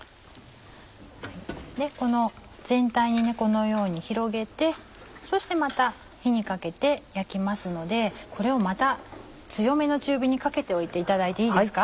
全体にこのように広げてそしてまた火にかけて焼きますのでこれをまた強めの中火にかけておいていただいていいですか。